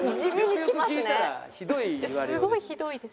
すごいひどいですよ。